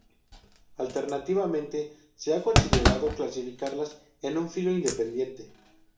Alternativamente se ha considerado clasificarlas en un filo independiente.